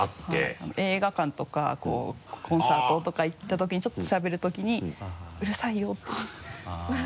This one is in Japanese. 映画館とかコンサートとか行った時にちょっとしゃべる時に「うるさいよ」って。